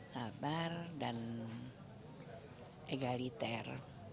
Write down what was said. sabar dan egaliter